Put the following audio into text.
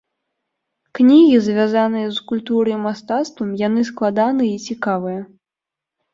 Кнігі, звязаныя з культурай і мастацтвам, яны складаныя і цікавыя.